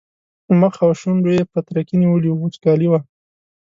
مخ او شونډو یې پترکي نیولي وو وچکالي وه.